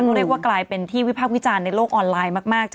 ก็เรียกว่าเป็นที่วิภาควิจารณ์ในโลกออนไลน์มาก